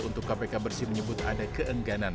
untuk kpk bersih menyebut ada keengganan